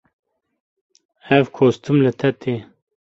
Ev kostûm li te tê.